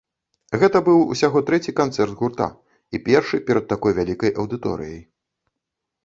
Гэта быў усяго трэці канцэрт гурта, і першы перад такой вялікай аўдыторыяй.